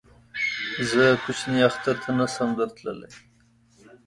زه کوچني اختر ته نه شم در تللی